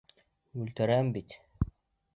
Үлтерәм бит!